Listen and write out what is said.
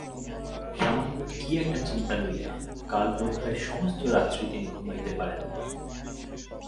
সামান্য কী-একটা চিন্তা লইয়া কাল বোধ হয় সমস্তরাত্রি তিনি ঘুমাইতে পারেন নাই।